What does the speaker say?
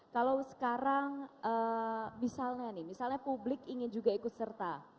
kalau sekarang misalnya nih misalnya publik ingin juga ikut serta